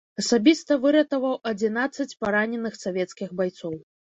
Асабіста выратаваў адзінаццаць параненых савецкіх байцоў.